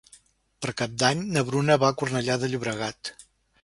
Per Cap d'Any na Bruna va a Cornellà de Llobregat.